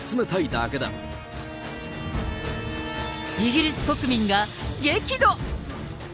イギリス国民が激怒。